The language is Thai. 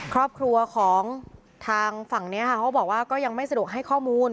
ครอบครัวของทางฝั่งนี้ค่ะเขาบอกว่าก็ยังไม่สะดวกให้ข้อมูล